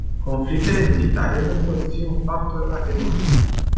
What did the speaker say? Conflictele militare nu pot fi un factor atenuant.